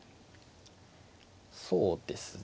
そうですね。